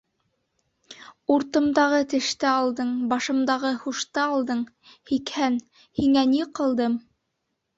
Уртымдағы теште алдың, башымдағы һушты алдың, һикһән, һиңә ни ҡылдым?